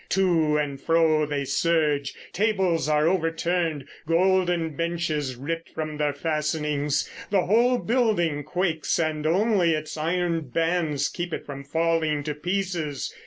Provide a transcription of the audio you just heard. To and fro they surge. Tables are overturned; golden benches ripped from their fastenings; the whole building quakes, and only its iron bands keep it from falling to pieces.